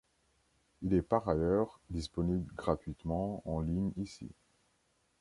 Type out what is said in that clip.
Il est par ailleurs disponible gratuitement en ligne ici.